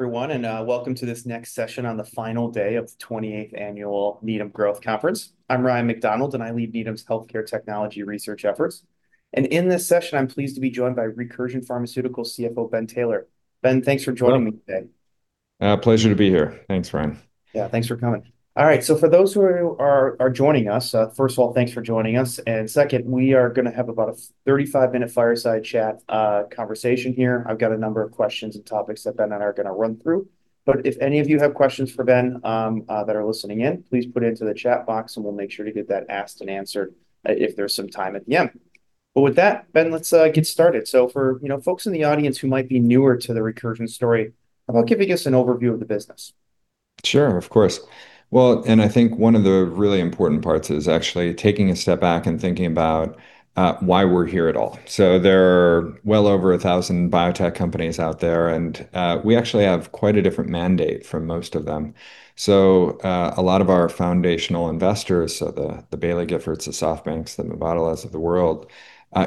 Hello, everyone, and welcome to this next session on the final day of the 28th Annual Needham Growth Conference. I'm Ryan MacDonald, and I lead Needham's healthcare technology research efforts. And in this session, I'm pleased to be joined by Recursion Pharmaceuticals CFO, Ben Taylor. Ben, thanks for joining me today. Pleasure to be here. Thanks, Ryan. Yeah, thanks for coming. All right, so for those who are joining us, first of all, thanks for joining us. And second, we are going to have about a 35-minute fireside chat conversation here. I've got a number of questions and topics that Ben and I are going to run through. But if any of you have questions for Ben that are listening in, please put it into the chat box, and we'll make sure to get that asked and answered if there's some time at the end. But with that, Ben, let's get started. So for folks in the audience who might be newer to the Recursion story, how about giving us an overview of the business? Sure, of course. Well, and I think one of the really important parts is actually taking a step back and thinking about why we're here at all. So there are well over 1,000 biotech companies out there, and we actually have quite a different mandate from most of them. So a lot of our foundational investors, so the Baillie Giffords, the SoftBanks, the Novartis of the world,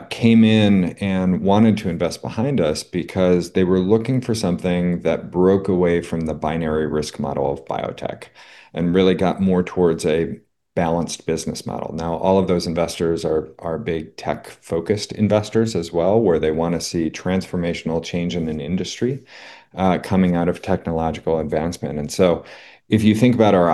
came in and wanted to invest behind us because they were looking for something that broke away from the binary risk model of biotech and really got more towards a balanced business model. Now, all of those investors are big tech-focused investors as well, where they want to see transformational change in an industry coming out of technological advancement. And so if you think about our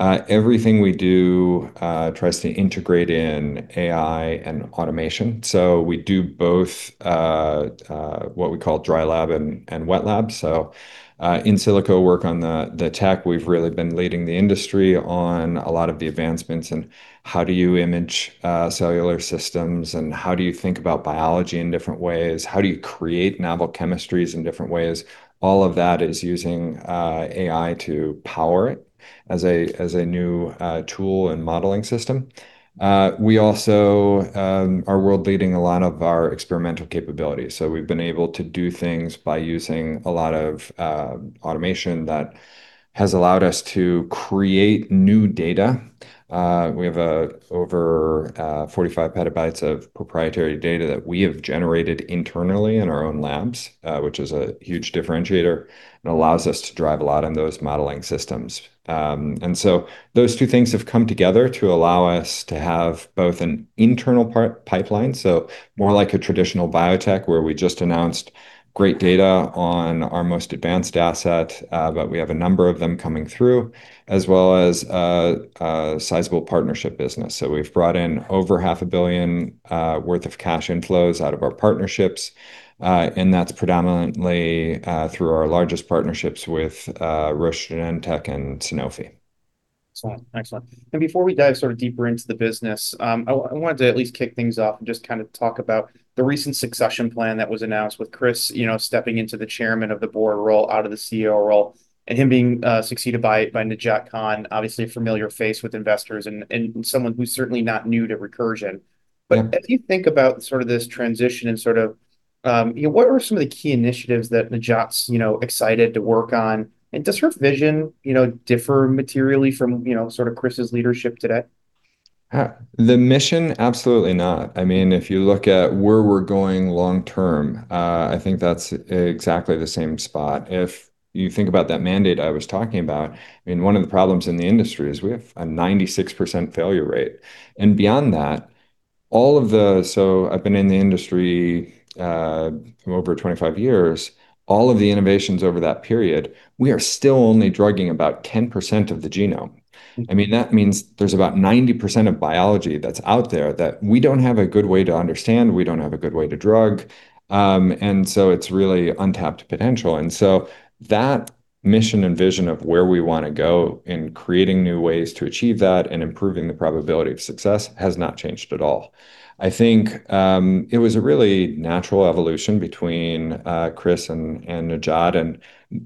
operations, everything we do tries to integrate in AI and automation. So we do both what we call dry lab and wet lab. So in silico work on the tech, we've really been leading the industry on a lot of the advancements in how do you image cellular systems and how do you think about biology in different ways, how do you create novel chemistries in different ways. All of that is using AI to power it as a new tool and modeling system. We also are world-leading a lot of our experimental capabilities. So we've been able to do things by using a lot of automation that has allowed us to create new data. We have over 45 PB of proprietary data that we have generated internally in our own labs, which is a huge differentiator and allows us to drive a lot on those modeling systems. Those two things have come together to allow us to have both an internal pipeline, so more like a traditional biotech where we just announced great data on our most advanced asset, but we have a number of them coming through, as well as a sizable partnership business. We've brought in over $500 million worth of cash inflows out of our partnerships. That's predominantly through our largest partnerships with Roche, Genentech, and Sanofi. Excellent. Excellent. And before we dive sort of deeper into the business, I wanted to at least kick things off and just kind of talk about the recent succession plan that was announced with Chris stepping into the chairman of the board role out of the CEO role and him being succeeded by Najat Khan, obviously a familiar face with investors and someone who's certainly not new to Recursion. But as you think about sort of this transition and sort of what were some of the key initiatives that Najat's excited to work on? And does her vision differ materially from sort of Chris's leadership today? The mission, absolutely not. I mean, if you look at where we're going long term, I think that's exactly the same spot. If you think about that mandate I was talking about, I mean, one of the problems in the industry is we have a 96% failure rate, and beyond that, so I've been in the industry for over 25 years. All of the innovations over that period, we are still only drugging about 10% of the genome. I mean, that means there's about 90% of biology that's out there that we don't have a good way to understand. We don't have a good way to drug, and so it's really untapped potential, and so that mission and vision of where we want to go in creating new ways to achieve that and improving the probability of success has not changed at all. I think it was a really natural evolution between Chris and Najat. And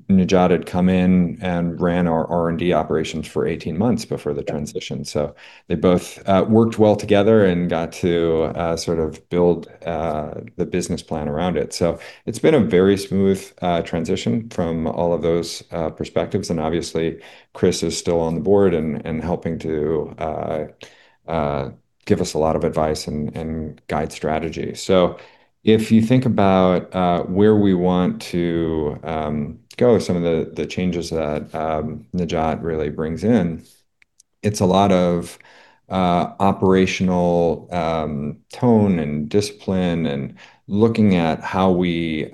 Najat had come in and ran our R&D operations for 18 months before the transition. So they both worked well together and got to sort of build the business plan around it. So it's been a very smooth transition from all of those perspectives. And obviously, Chris is still on the board and helping to give us a lot of advice and guide strategy. So if you think about where we want to go, some of the changes that Najat really brings in, it's a lot of operational tone and discipline and looking at how we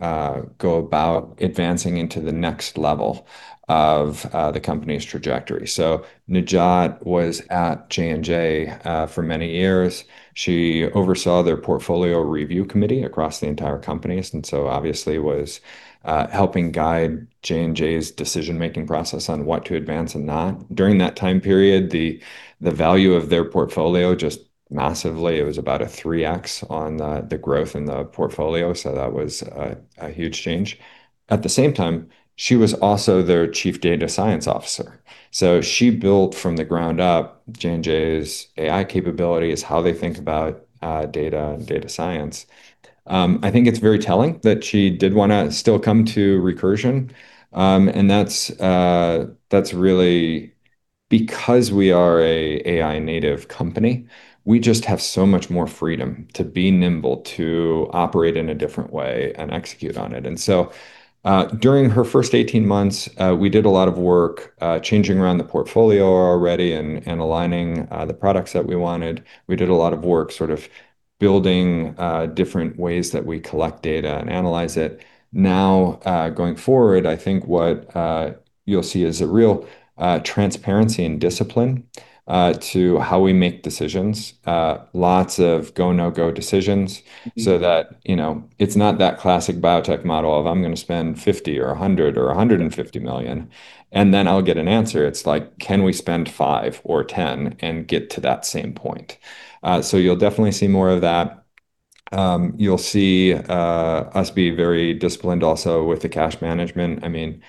go about advancing into the next level of the company's trajectory. So Najat was at J&J for many years. She oversaw their portfolio review committee across the entire company, and so obviously was helping guide J&J's decision-making process on what to advance and not. During that time period, the value of their portfolio just massively. It was about a 3x on the growth in the portfolio. So that was a huge change. At the same time, she was also their chief data science officer. So she built from the ground up J&J's AI capabilities, how they think about data and data science. I think it's very telling that she did want to still come to Recursion. And that's really because we are an AI-native company. We just have so much more freedom to be nimble, to operate in a different way, and execute on it. And so during her first 18 months, we did a lot of work changing around the portfolio already and aligning the products that we wanted. We did a lot of work sort of building different ways that we collect data and analyze it. Now, going forward, I think what you'll see is a real transparency and discipline to how we make decisions, lots of go, no-go decisions, so that it's not that classic biotech model of, "I'm going to spend $50 million or $100 million or $150 million, and then I'll get an answer." It's like, "Can we spend $5 million or $10 million and get to that same point?" So you'll definitely see more of that. You'll see us be very disciplined also with the cash management. I mean,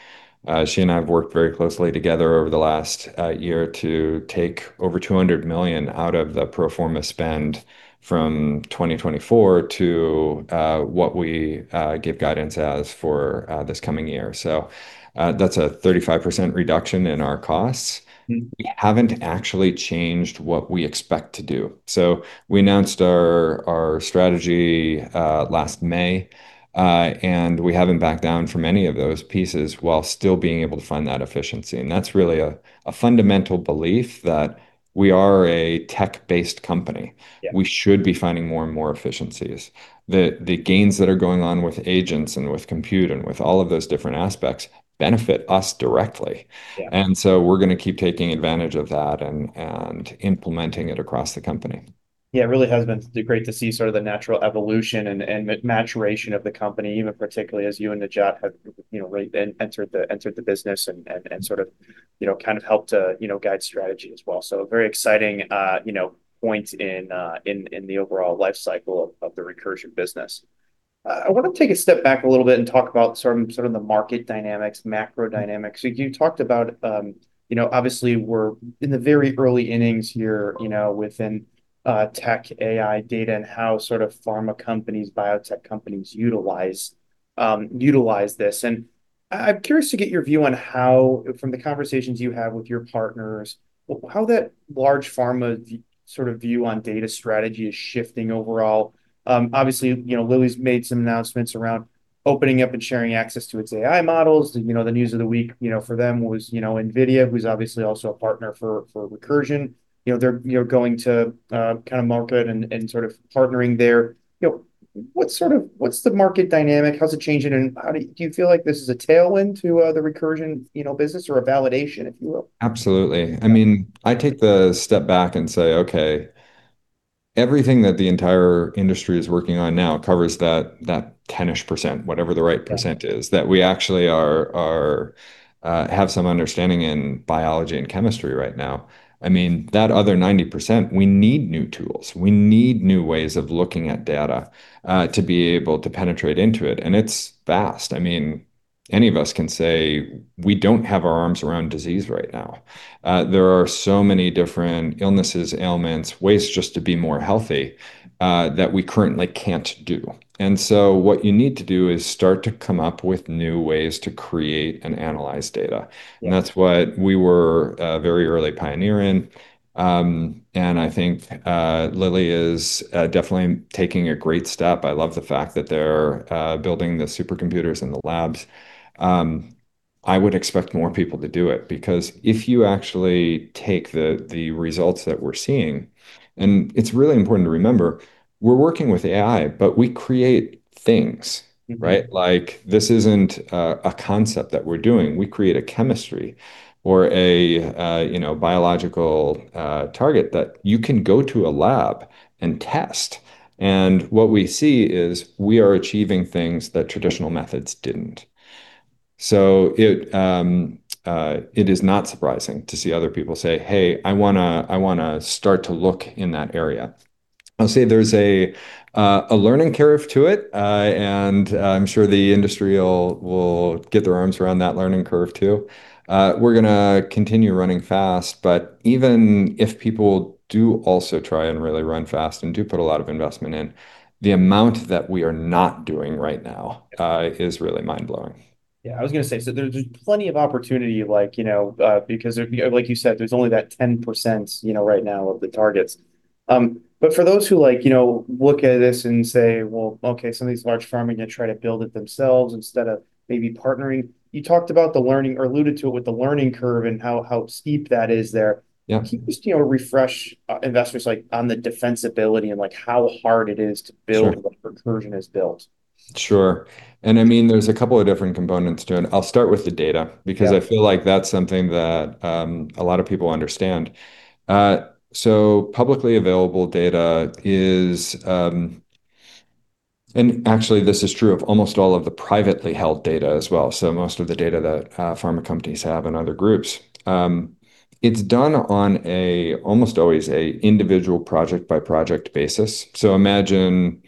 she and I have worked very closely together over the last year to take over $200 million out of the pro forma spend from 2024 to what we give guidance as for this coming year. So that's a 35% reduction in our costs. We haven't actually changed what we expect to do. So we announced our strategy last May, and we haven't backed down from any of those pieces while still being able to find that efficiency. And that's really a fundamental belief that we are a tech-based company. We should be finding more and more efficiencies. The gains that are going on with agents and with compute and with all of those different aspects benefit us directly. And so we're going to keep taking advantage of that and implementing it across the company. Yeah, it really has been great to see sort of the natural evolution and maturation of the company, even particularly as you and Najat have entered the business and sort of kind of helped to guide strategy as well. So very exciting point in the overall life cycle of the Recursion business. I want to take a step back a little bit and talk about sort of the market dynamics, macro dynamics. So you talked about, obviously, we're in the very early innings here within tech, AI, data, and how sort of pharma companies, biotech companies utilize this. And I'm curious to get your view on how, from the conversations you have with your partners, how that large pharma sort of view on data strategy is shifting overall. Obviously, Lilly's made some announcements around opening up and sharing access to its AI models. The news of the week for them was NVIDIA, who's obviously also a partner for Recursion. They're going to kind of market and sort of partnering there. What's the market dynamic? How's it changing? And do you feel like this is a tailwind to the Recursion business or a validation, if you will? Absolutely. I mean, I take a step back and say, "Okay, everything that the entire industry is working on now covers that 10-ish%, whatever the right percent is, that we actually have some understanding in biology and chemistry right now." I mean, that other 90%, we need new tools. We need new ways of looking at data to be able to penetrate into it, and it's vast. I mean, any of us can say we don't have our arms around disease right now. There are so many different illnesses, ailments, ways just to be more healthy that we currently can't do, and so what you need to do is start to come up with new ways to create and analyze data, and that's what we were very early pioneer in, and I think Lilly is definitely taking a great step. I love the fact that they're building the supercomputers in the labs. I would expect more people to do it because if you actually take the results that we're seeing, and it's really important to remember, we're working with AI, but we create things, right? This isn't a concept that we're doing. We create a chemistry or a biological target that you can go to a lab and test, and what we see is we are achieving things that traditional methods didn't, so it is not surprising to see other people say, "Hey, I want to start to look in that area." I'll say there's a learning curve to it, and I'm sure the industry will get their arms around that learning curve too. We're going to continue running fast, but even if people do also try and really run fast and do put a lot of investment in, the amount that we are not doing right now is really mind-blowing. Yeah, I was going to say, so there's plenty of opportunity because, like you said, there's only that 10% right now of the targets. But for those who look at this and say, "Well, okay, some of these large pharma are going to try to build it themselves instead of maybe partnering," you talked about the learning or alluded to it with the learning curve and how steep that is there. Can you just refresh investors on the defensibility and how hard it is to build what Recursion has built? Sure. And I mean, there's a couple of different components to it. I'll start with the data because I feel like that's something that a lot of people understand. So publicly available data is, and actually, this is true of almost all of the privately held data as well, so most of the data that pharma companies have and other groups, it's done on almost always an individual project-by-project basis. So imagine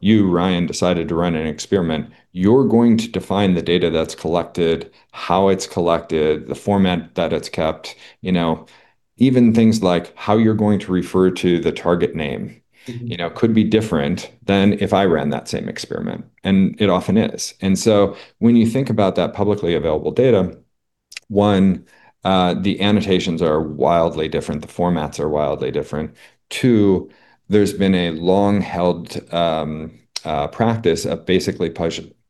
you, Ryan, decided to run an experiment. You're going to define the data that's collected, how it's collected, the format that it's kept. Even things like how you're going to refer to the target name could be different than if I ran that same experiment. And it often is. And so when you think about that publicly available data, one, the annotations are wildly different. The formats are wildly different. Two, there's been a long-held practice of basically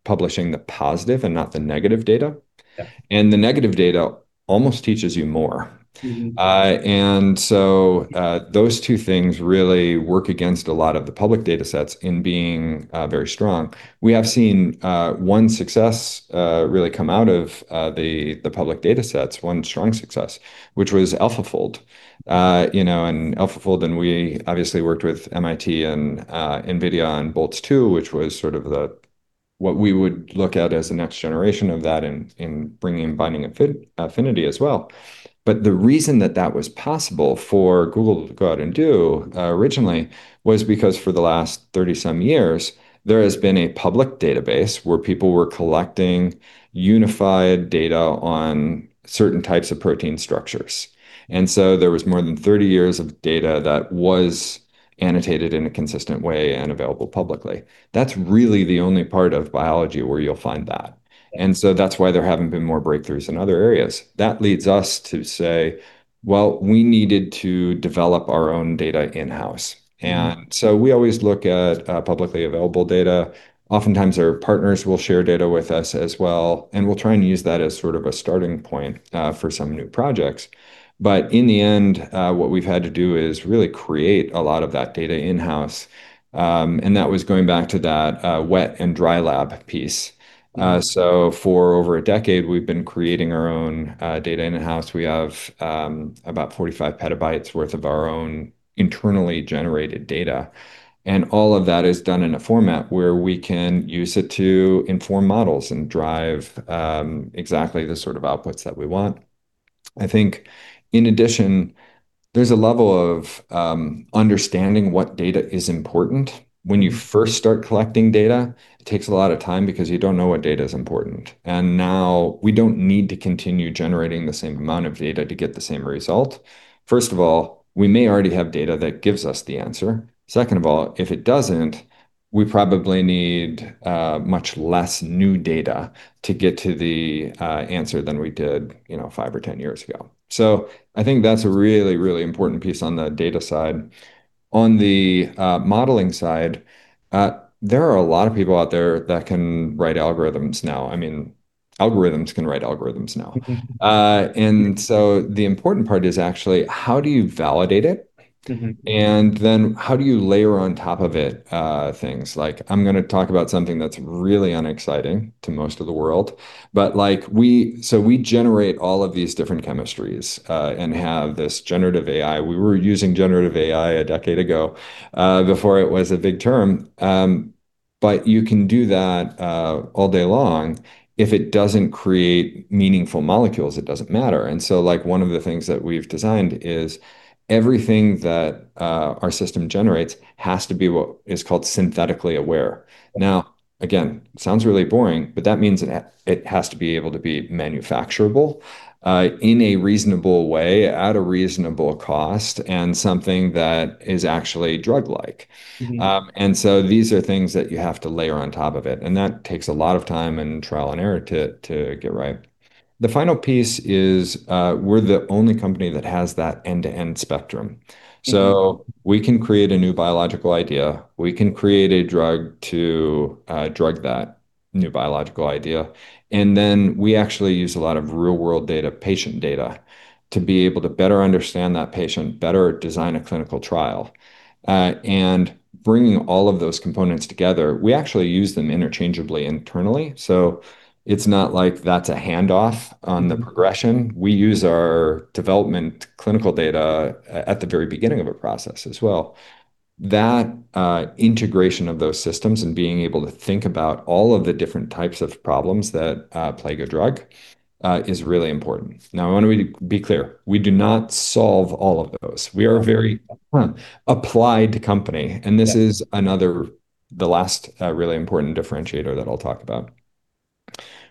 publishing the positive and not the negative data, and the negative data almost teaches you more, and so those two things really work against a lot of the public data sets in being very strong. We have seen one success really come out of the public data sets, one strong success, which was AlphaFold, and AlphaFold, and we obviously worked with MIT and NVIDIA on Boltz-2, which was sort of what we would look at as the next generation of that in bringing and binding affinity as well, but the reason that that was possible for Google to go out and do originally was because for the last 30-some years, there has been a public database where people were collecting unified data on certain types of protein structures. And so there was more than 30 years of data that was annotated in a consistent way and available publicly. That's really the only part of biology where you'll find that. And so that's why there haven't been more breakthroughs in other areas. That leads us to say, "Well, we needed to develop our own data in-house." And so we always look at publicly available data. Oftentimes, our partners will share data with us as well, and we'll try and use that as sort of a starting point for some new projects. But in the end, what we've had to do is really create a lot of that data in-house. And that was going back to that wet and dry lab piece. So for over a decade, we've been creating our own data in-house. We have about 45 PB worth of our own internally generated data. All of that is done in a format where we can use it to inform models and drive exactly the sort of outputs that we want. I think, in addition, there's a level of understanding what data is important. When you first start collecting data, it takes a lot of time because you don't know what data is important. And now we don't need to continue generating the same amount of data to get the same result. First of all, we may already have data that gives us the answer. Second of all, if it doesn't, we probably need much less new data to get to the answer than we did 5 or 10 years ago. So I think that's a really, really important piece on the data side. On the modeling side, there are a lot of people out there that can write algorithms now. I mean, algorithms can write algorithms now, and so the important part is actually how do you validate it, and then how do you layer on top of it things? I'm going to talk about something that's really unexciting to most of the world, but so we generate all of these different chemistries and have this generative AI. We were using generative AI a decade ago before it was a big term, but you can do that all day long. If it doesn't create meaningful molecules, it doesn't matter, and so one of the things that we've designed is everything that our system generates has to be what is called synthetically aware. Now, again, sounds really boring, but that means it has to be able to be manufacturable in a reasonable way, at a reasonable cost, and something that is actually drug-like. These are things that you have to layer on top of it. That takes a lot of time and trial and error to get right. The final piece is we're the only company that has that end-to-end spectrum. We can create a new biological idea. We can create a drug to drug that new biological idea. We actually use a lot of real-world data, patient data, to be able to better understand that patient, better design a clinical trial. Bringing all of those components together, we actually use them interchangeably internally. It's not like that's a handoff on the progression. We use our development clinical data at the very beginning of a process as well. That integration of those systems and being able to think about all of the different types of problems that plague a drug is really important. Now, I want to be clear. We do not solve all of those. We are a very applied company. And this is another last really important differentiator that I'll talk about.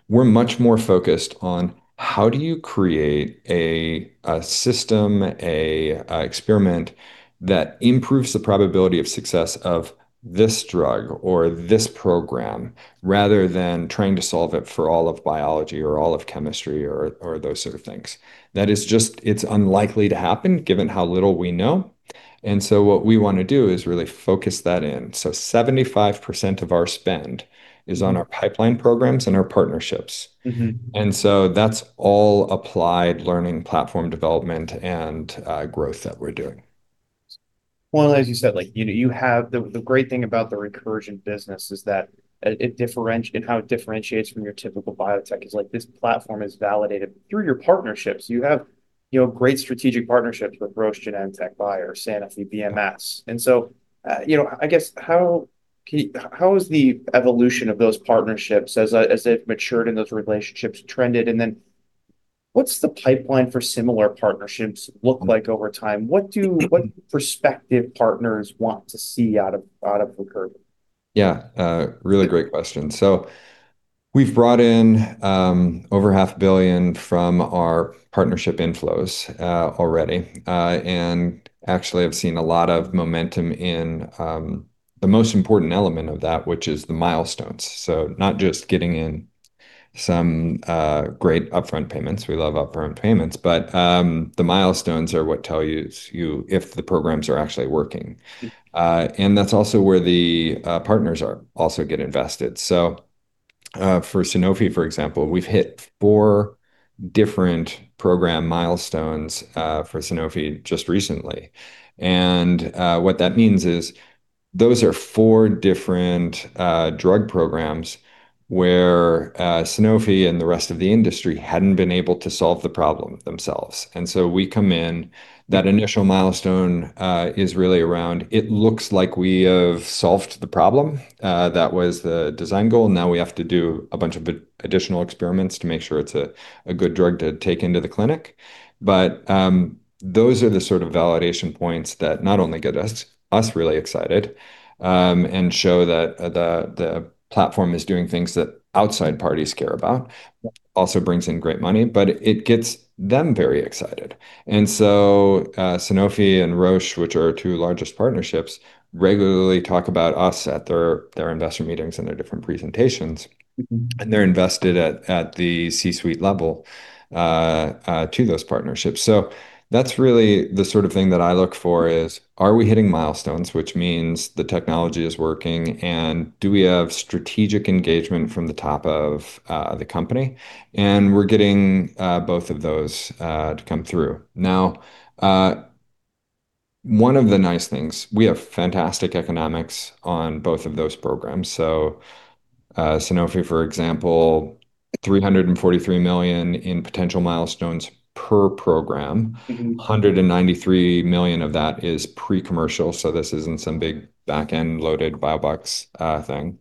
We're much more focused on how do you create a system, an experiment that improves the probability of success of this drug or this program rather than trying to solve it for all of biology or all of chemistry or those sort of things. That is just, it's unlikely to happen given how little we know. And so what we want to do is really focus that in. So 75% of our spend is on our pipeline programs and our partnerships. And so that's all applied learning platform development and growth that we're doing. As you said, you have the great thing about the Recursion business is that in how it differentiates from your typical biotech is this platform is validated through your partnerships. You have great strategic partnerships with Roche, Genentech, Bayer, Sanofi, BMS. And so I guess how is the evolution of those partnerships as they've matured in those relationships trended? And then what's the pipeline for similar partnerships look like over time? What do prospective partners want to see out of Recursion? Yeah, really great question. So we've brought in over $500 million from our partnership inflows already. And actually, I've seen a lot of momentum in the most important element of that, which is the milestones. So not just getting in some great upfront payments. We love upfront payments, but the milestones are what tell you if the programs are actually working. And that's also where the partners also get invested. So for Sanofi, for example, we've hit four different program milestones for Sanofi just recently. And what that means is those are four different drug programs where Sanofi and the rest of the industry hadn't been able to solve the problem themselves. And so we come in, that initial milestone is really around, it looks like we have solved the problem. That was the design goal. Now we have to do a bunch of additional experiments to make sure it's a good drug to take into the clinic. But those are the sort of validation points that not only get us really excited and show that the platform is doing things that outside parties care about, also brings in great money, but it gets them very excited. And so Sanofi and Roche, which are our two largest partnerships, regularly talk about us at their investor meetings and their different presentations. And they're invested at the C-suite level to those partnerships. So that's really the sort of thing that I look for is, are we hitting milestones, which means the technology is working, and do we have strategic engagement from the top of the company? And we're getting both of those to come through. Now, one of the nice things, we have fantastic economics on both of those programs. So Sanofi, for example, $343 million in potential milestones per program. $193 million of that is pre-commercial. So this isn't some big back-end loaded biobucks thing.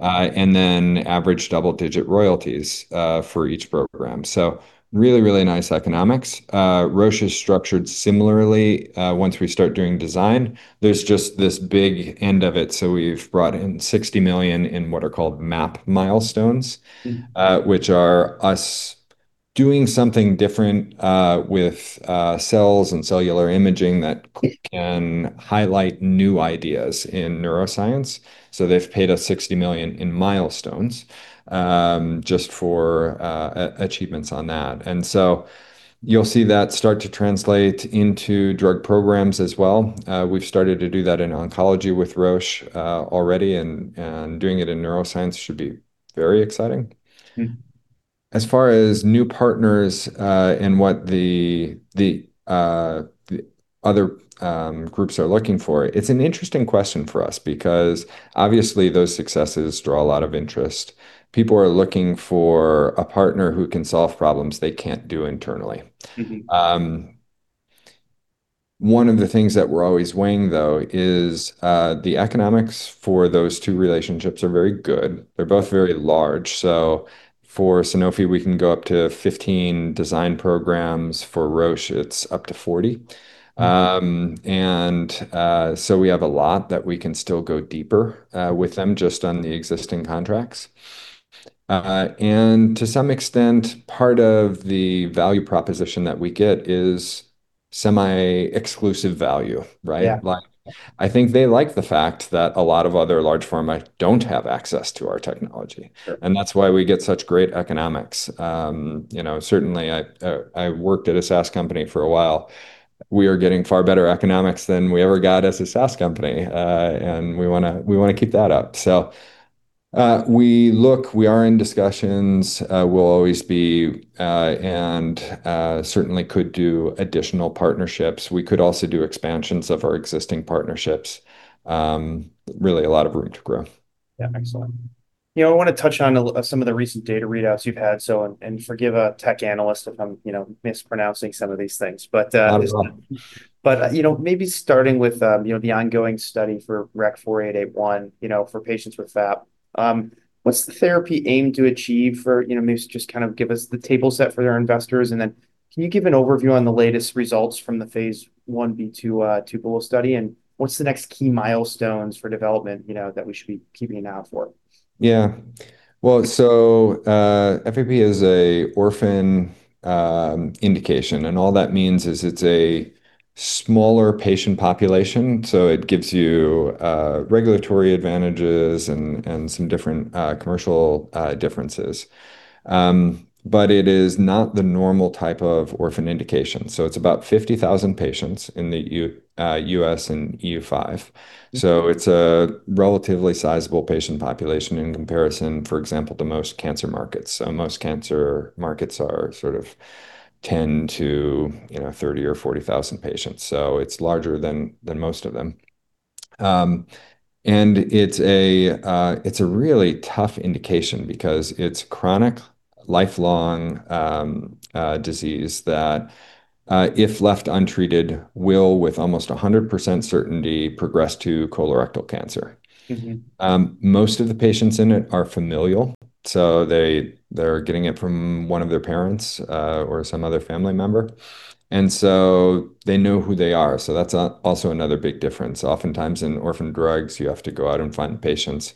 And then average double-digit royalties for each program. So really, really nice economics. Roche is structured similarly. Once we start doing design, there's just this big end of it. So we've brought in $60 million in what are called Map milestones, which are us doing something different with cells and cellular imaging that can highlight new ideas in neuroscience. So they've paid us $60 million in milestones just for achievements on that. And so you'll see that start to translate into drug programs as well. We've started to do that in oncology with Roche already, and doing it in neuroscience should be very exciting. As far as new partners and what the other groups are looking for, it's an interesting question for us because obviously those successes draw a lot of interest. People are looking for a partner who can solve problems they can't do internally. One of the things that we're always weighing, though, is the economics for those two relationships are very good. They're both very large. So for Sanofi, we can go up to 15 design programs. For Roche, it's up to 40. And so we have a lot that we can still go deeper with them just on the existing contracts. And to some extent, part of the value proposition that we get is semi-exclusive value, right? I think they like the fact that a lot of other large pharma don't have access to our technology. And that's why we get such great economics. Certainly, I worked at a SaaS company for a while. We are getting far better economics than we ever got as a SaaS company. And we want to keep that up. So we look, we are in discussions. We'll always be and certainly could do additional partnerships. We could also do expansions of our existing partnerships. Really a lot of room to grow. Yeah, excellent. I want to touch on some of the recent data readouts you've had. So forgive a tech analyst if I'm mispronouncing some of these things. But maybe starting with the ongoing study for REC-4881 for patients with FAP, what's the therapy aim to achieve, and just kind of give us the table stakes for their investors? And then can you give an overview on the latest results from the phase 1b/2 TUPELO study? And what's the next key milestones for development that we should be keeping an eye out for? Yeah. Well, FAP is an orphan indication. All that means is it's a smaller patient population. It gives you regulatory advantages and some different commercial differences. It is not the normal type of orphan indication. It's about 50,000 patients in the U.S. and EU5. It's a relatively sizable patient population in comparison, for example, to most cancer markets. Most cancer markets sort of tend to 30,000 or 40,000 patients. It's larger than most of them. It's a really tough indication because it's chronic, lifelong disease that if left untreated, will with almost 100% certainty progress to colorectal cancer. Most of the patients in it are familial. They're getting it from one of their parents or some other family member. They know who they are. That's also another big difference. Oftentimes in orphan drugs, you have to go out and find patients.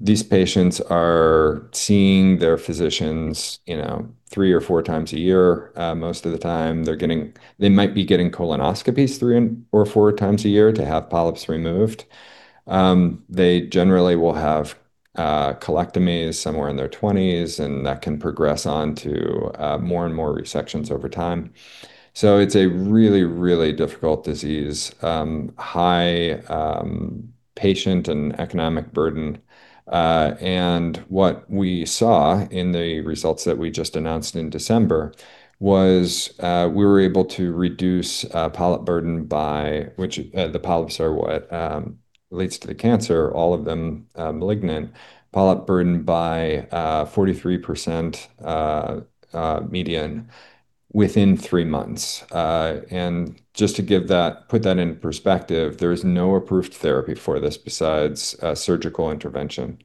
These patients are seeing their physicians three or four times a year. Most of the time, they might be getting colonoscopies three or four times a year to have polyps removed. They generally will have colectomies somewhere in their 20s, and that can progress on to more and more resections over time. So it's a really, really difficult disease, high patient and economic burden. And what we saw in the results that we just announced in December was we were able to reduce polyp burden by which the polyps are what leads to the cancer, all of them malignant. Polyp burden by 43% median within three months. And just to put that in perspective, there is no approved therapy for this besides surgical intervention.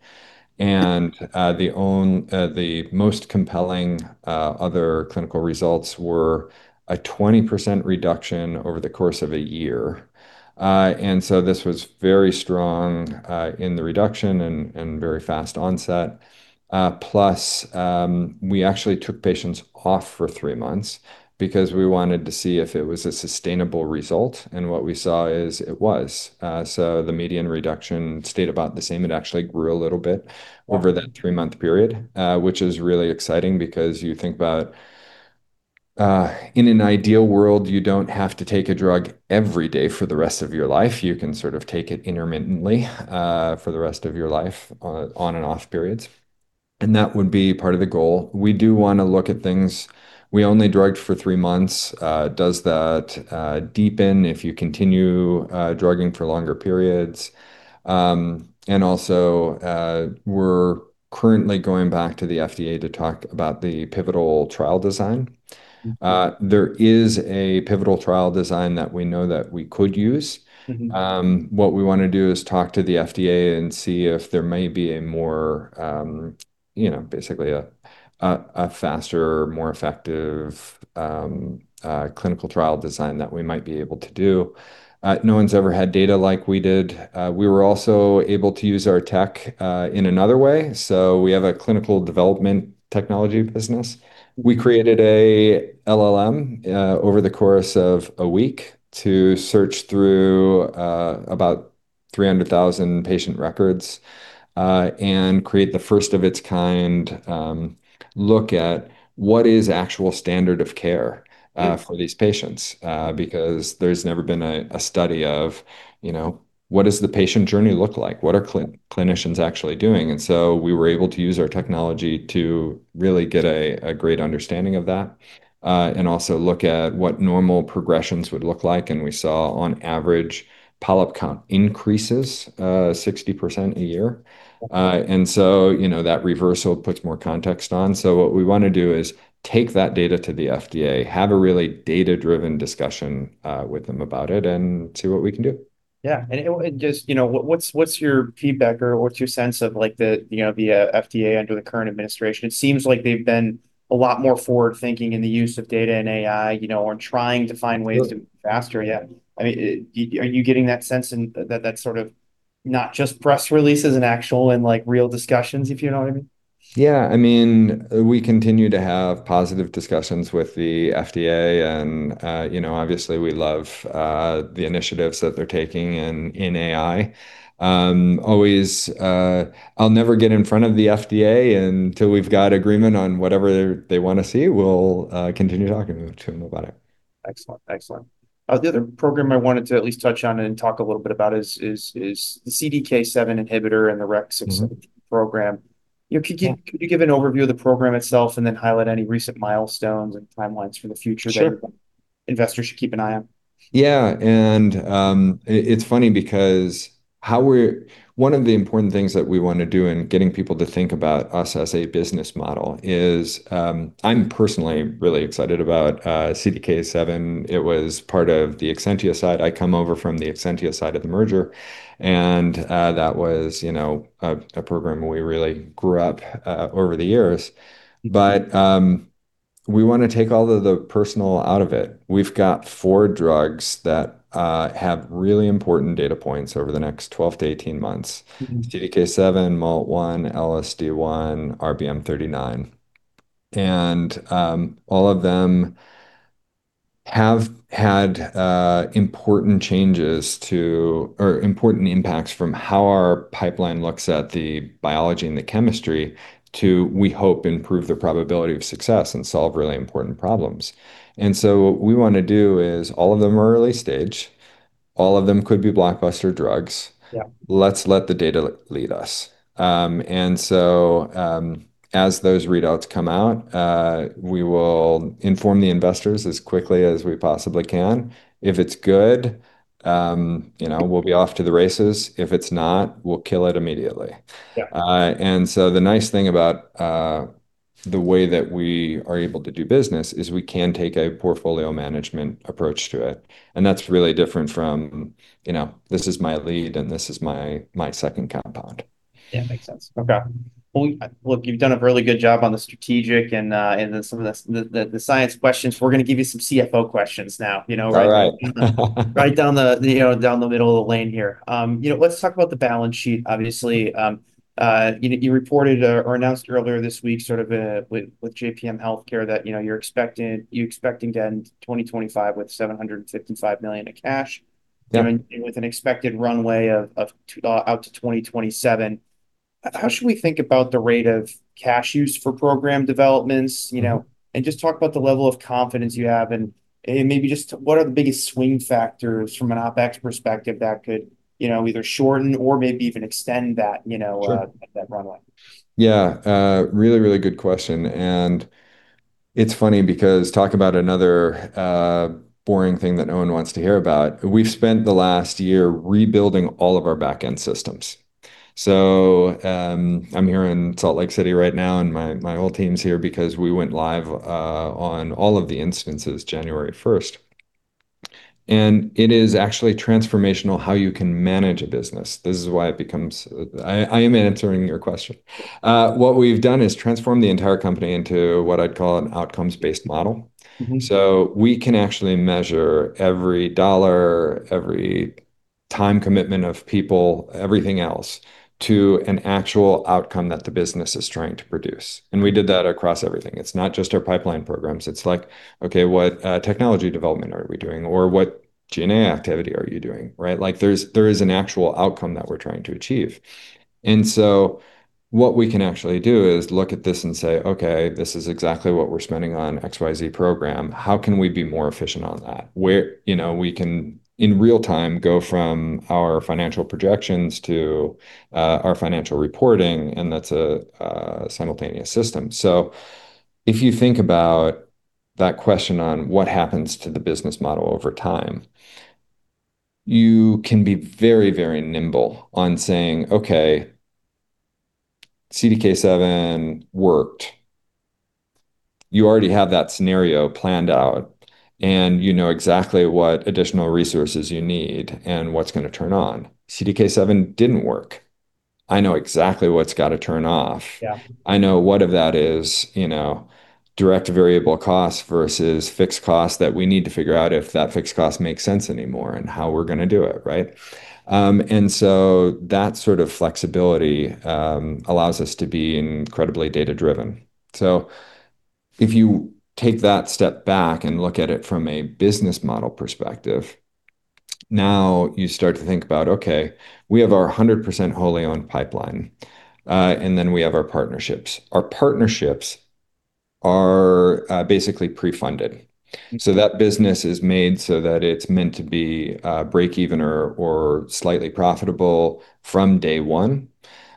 The most compelling other clinical results were a 20% reduction over the course of a year. So this was very strong in the reduction and very fast onset. Plus, we actually took patients off for three months because we wanted to see if it was a sustainable result. What we saw is it was. The median reduction stayed about the same. It actually grew a little bit over that three-month period, which is really exciting because you think about in an ideal world, you don't have to take a drug every day for the rest of your life. You can sort of take it intermittently for the rest of your life on and off periods. That would be part of the goal. We do want to look at things. We only drugged for three months. Does that deepen if you continue drugging for longer periods? And also, we're currently going back to the FDA to talk about the pivotal trial design. There is a pivotal trial design that we know that we could use. What we want to do is talk to the FDA and see if there may be a more basically a faster, more effective clinical trial design that we might be able to do. No one's ever had data like we did. We were also able to use our tech in another way. So we have a clinical development technology business. We created an LLM over the course of a week to search through about 300,000 patient records and create the first of its kind look at what is actual standard of care for these patients because there's never been a study of what does the patient journey look like? What are clinicians actually doing? We were able to use our technology to really get a great understanding of that and also look at what normal progressions would look like. We saw on average polyp count increases 60% a year. That reversal puts more context on. We want to do is take that data to the FDA, have a really data-driven discussion with them about it, and see what we can do. Yeah. And just what's your feedback or what's your sense of the FDA under the current administration? It seems like they've been a lot more forward-thinking in the use of data and AI or trying to find ways to move faster. Yeah. I mean, are you getting that sense that that's sort of not just press releases and actual and real discussions, if you know what I mean? Yeah. I mean, we continue to have positive discussions with the FDA, and obviously, we love the initiatives that they're taking in AI. I'll never get in front of the FDA until we've got agreement on whatever they want to see. We'll continue talking to them about it. Excellent. Excellent. The other program I wanted to at least touch on and talk a little bit about is the CDK7 inhibitor and the REC-617 program. Could you give an overview of the program itself and then highlight any recent milestones and timelines for the future that investors should keep an eye on? Yeah. And it's funny because one of the important things that we want to do in getting people to think about us as a business model is I'm personally really excited about CDK7. It was part of the Exscientia side. I come over from the Exscientia side of the merger. And that was a program we really grew up over the years. But we want to take all of the personal out of it. We've got four drugs that have really important data points over the next 12-18 months: CDK7, MALT1, LSD1, RBM39. And all of them have had important changes or important impacts from how our pipeline looks at the biology and the chemistry to, we hope, improve the probability of success and solve really important problems. And so what we want to do is all of them are early stage. All of them could be blockbuster drugs. Let's let the data lead us. And so as those readouts come out, we will inform the investors as quickly as we possibly can. If it's good, we'll be off to the races. If it's not, we'll kill it immediately. And so the nice thing about the way that we are able to do business is we can take a portfolio management approach to it. And that's really different from this is my lead and this is my second compound. Yeah, makes sense. Okay. Well, you've done a really good job on the strategic and some of the science questions. We're going to give you some CFO questions now, right down the middle of the lane here. Let's talk about the balance sheet, obviously. You reported or announced earlier this week sort of with JPM Healthcare that you're expecting to end 2025 with $755 million in cash and with an expected runway out to 2027. How should we think about the rate of cash use for program developments? And just talk about the level of confidence you have and maybe just what are the biggest swing factors from an OpEx perspective that could either shorten or maybe even extend that runway? Yeah. Really, really good question, and it's funny because talk about another boring thing that no one wants to hear about. We've spent the last year rebuilding all of our backend systems. So I'm here in Salt Lake City right now, and my whole team's here because we went live on all of the instances January 1st, and it is actually transformational how you can manage a business. This is why it becomes I am answering your question. What we've done is transform the entire company into what I'd call an outcomes-based model, so we can actually measure every dollar, every time commitment of people, everything else to an actual outcome that the business is trying to produce, and we did that across everything. It's not just our pipeline programs. It's like, okay, what technology development are we doing? Or what R&D activity are you doing, right? There is an actual outcome that we're trying to achieve, and so what we can actually do is look at this and say, okay, this is exactly what we're spending on XYZ program. How can we be more efficient on that? We can, in real time, go from our financial projections to our financial reporting, and that's a simultaneous system, so if you think about that question on what happens to the business model over time, you can be very, very nimble on saying, okay, CDK7 worked. You already have that scenario planned out, and you know exactly what additional resources you need and what's going to turn on. CDK7 didn't work. I know exactly what's got to turn off. I know what that is: direct variable costs versus fixed costs that we need to figure out if that fixed cost makes sense anymore and how we're going to do it, right? And so that sort of flexibility allows us to be incredibly data-driven. So if you take that step back and look at it from a business model perspective, now you start to think about, okay, we have our 100% wholly owned pipeline, and then we have our partnerships. Our partnerships are basically pre-funded. So that business is made so that it's meant to be break-even or slightly profitable from day one,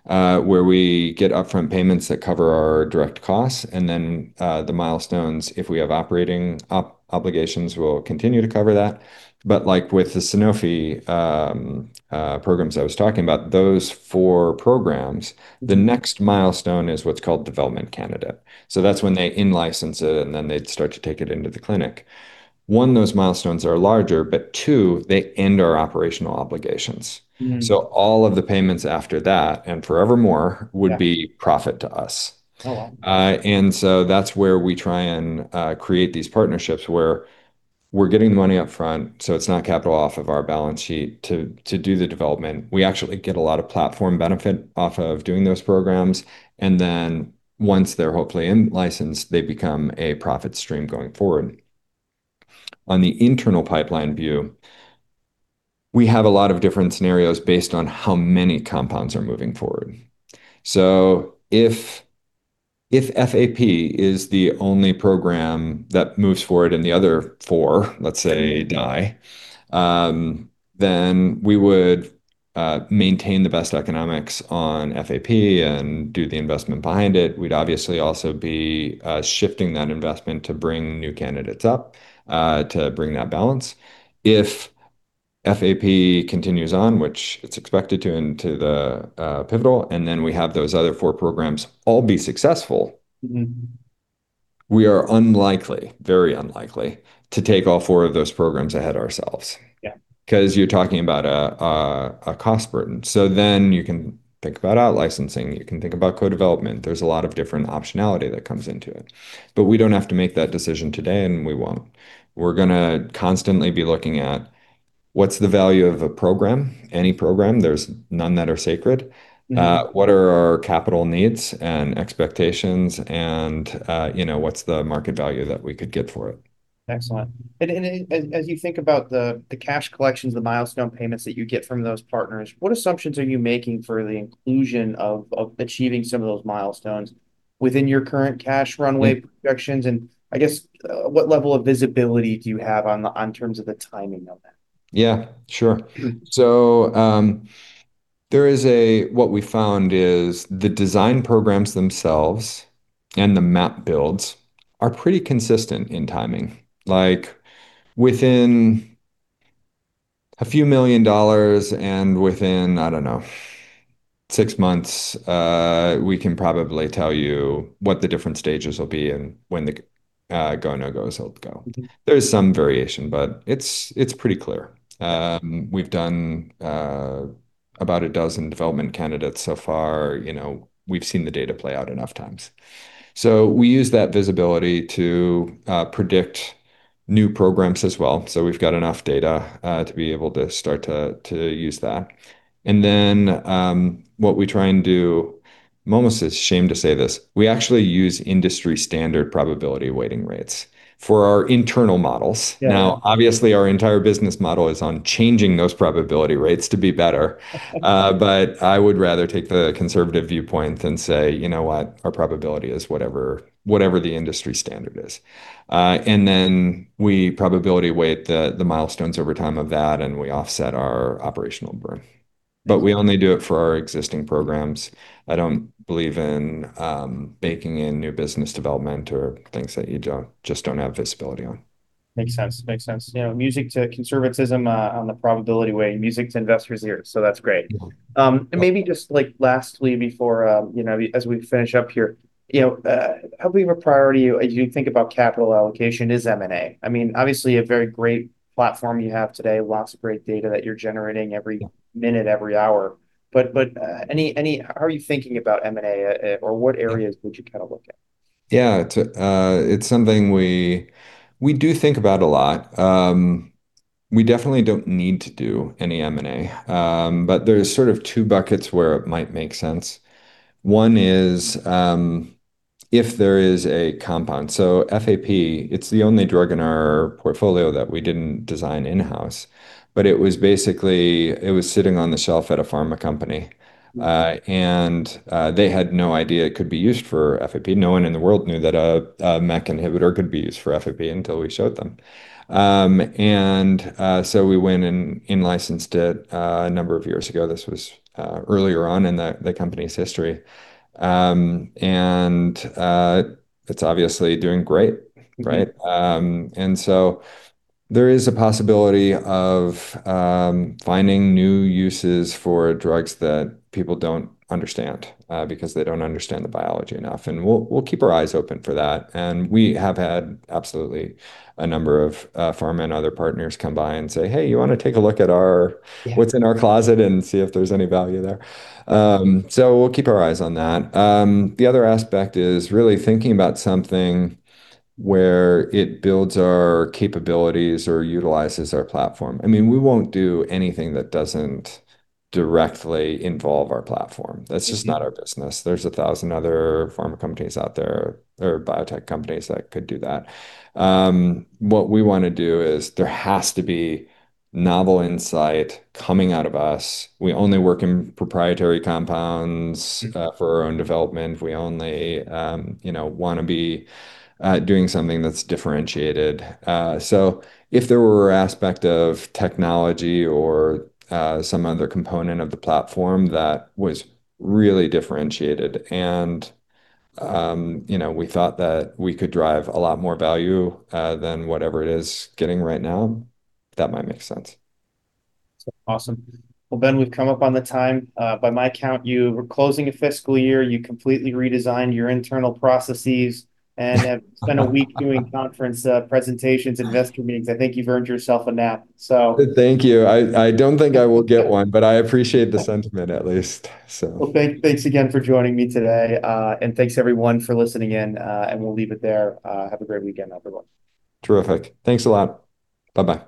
where we get upfront payments that cover our direct costs. And then the milestones, if we have operating obligations, will continue to cover that. But like with the Sanofi programs I was talking about, those four programs, the next milestone is what's called development candidate. That's when they in-license it, and then they'd start to take it into the clinic. One, those milestones are larger, but two, they end our operational obligations. So all of the payments after that and forever more would be profit to us. And so that's where we try and create these partnerships where we're getting money upfront so it's not capital off of our balance sheet to do the development. We actually get a lot of platform benefit off of doing those programs. And then once they're hopefully in-licensed, they become a profit stream going forward. On the internal pipeline view, we have a lot of different scenarios based on how many compounds are moving forward. So if FAP is the only program that moves forward and the other four, let's say, die, then we would maintain the best economics on FAP and do the investment behind it. We'd obviously also be shifting that investment to bring new candidates up, to bring that balance. If FAP continues on, which it's expected to into the pivotal, and then we have those other four programs all be successful, we are unlikely, very unlikely, to take all four of those programs ahead ourselves because you're talking about a cost burden. So then you can think about out-licensing. You can think about co-development. There's a lot of different optionality that comes into it. But we don't have to make that decision today, and we won't. We're going to constantly be looking at what's the value of a program, any program. There's none that are sacred. What are our capital needs and expectations, and what's the market value that we could get for it? Excellent. And as you think about the cash collections, the milestone payments that you get from those partners, what assumptions are you making for the inclusion of achieving some of those milestones within your current cash runway projections? And I guess what level of visibility do you have in terms of the timing of that? Yeah, sure. So what we found is the design programs themselves and the map builds are pretty consistent in timing. Within a few million dollars and within, I don't know, six months, we can probably tell you what the different stages will be and when the go/no goes will go. There's some variation, but it's pretty clear. We've done about a dozen development candidates so far. We've seen the data play out enough times. So we use that visibility to predict new programs as well. So we've got enough data to be able to start to use that. And then what we try and do, I'm almost ashamed to say this, we actually use industry standard probability weighting rates for our internal models. Now, obviously, our entire business model is on changing those probability rates to be better, but I would rather take the conservative viewpoint and say, you know what, our probability is whatever the industry standard is, and then we probability weight the milestones over time of that, and we offset our operational burden, but we only do it for our existing programs. I don't believe in baking in new business development or things that you just don't have visibility on. Makes sense. Makes sense. Music to conservatism on the probability wave. Music to investors here. So that's great. And maybe just lastly, as we finish up here, how big of a priority do you think about capital allocation is M&A? I mean, obviously, a very great platform you have today, lots of great data that you're generating every minute, every hour. But how are you thinking about M&A, or what areas would you kind of look at? Yeah. It's something we do think about a lot. We definitely don't need to do any M&A, but there's sort of two buckets where it might make sense. One is if there is a compound. So FAP, it's the only drug in our portfolio that we didn't design in-house, but it was basically sitting on the shelf at a pharma company. And they had no idea it could be used for FAP. No one in the world knew that a MEK inhibitor could be used for FAP until we showed them. And so we went and in-licensed it a number of years ago. This was earlier on in the company's history. And it's obviously doing great, right? And so there is a possibility of finding new uses for drugs that people don't understand because they don't understand the biology enough. And we'll keep our eyes open for that. We have had absolutely a number of pharma and other partners come by and say, "Hey, you want to take a look at what's in our closet and see if there's any value there?" So we'll keep our eyes on that. The other aspect is really thinking about something where it builds our capabilities or utilizes our platform. I mean, we won't do anything that doesn't directly involve our platform. That's just not our business. There's a thousand other pharma companies out there or biotech companies that could do that. What we want to do is there has to be novel insight coming out of us. We only work in proprietary compounds for our own development. We only want to be doing something that's differentiated. So if there were an aspect of technology or some other component of the platform that was really differentiated and we thought that we could drive a lot more value than whatever it is getting right now, that might make sense. Awesome. Well, Ben, we've come up on the time. By my account, you were closing a fiscal year. You completely redesigned your internal processes and have spent a week doing conference presentations, investor meetings. I think you've earned yourself a nap, so. Thank you. I don't think I will get one, but I appreciate the sentiment at least, so. Thanks again for joining me today. Thanks, everyone, for listening in. We'll leave it there. Have a great weekend, everyone. Terrific. Thanks a lot. Bye-bye.